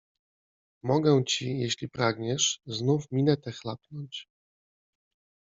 Mogę ci, jeśli pragniesz, znów minetę chlapnąć